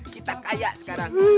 kita kaya sekarang